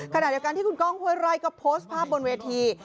ขณะเดียวกันที่คุณก้องห้วยไร่ก็โพสต์ภาพบนเวที